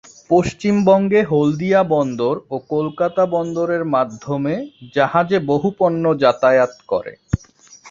পশ্চিমবঙ্গে হলদিয়া বন্দর ও কলকাতা বন্দরের মাধ্যমে জাহাজে বহু পণ্য যাতায়াত করে।